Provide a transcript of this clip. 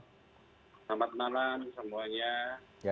selamat malam semuanya